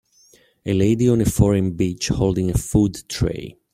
A lady on a foreign beach holding a food tray.